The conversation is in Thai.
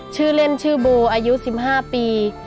ชื่อเล่นชื่อโบอายุ๑๕ปี